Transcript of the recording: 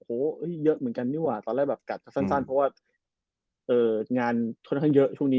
โอ้โหเยอะเหมือนกันนี่ว่ะตอนแรกแบบกัดสั้นเพราะว่างานค่อนข้างเยอะช่วงนี้